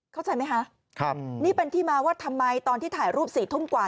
เข้าใจไหมคะนี่เป็นที่มาว่าทำไมตอนที่ถ่ายรูป๔ทุ่มกว่า